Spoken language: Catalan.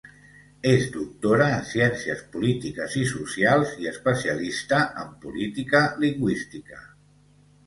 És doctora en Ciències Polítiques i Socials i especialista en Política Lingüística.